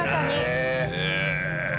へえ！